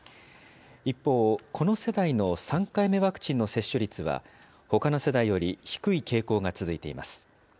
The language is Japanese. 一方、この世代の３回目ワクチンの接種率はほかの世代より低い傾向が続いています。